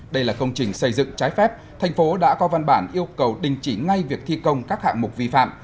đây là công trình xây dựng trái phép thành phố đã có văn bản yêu cầu đình chỉ ngay việc thi công các hạng mục vi phạm